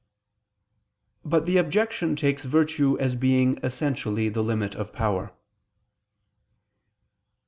But the objection takes virtue as being essentially the limit of power.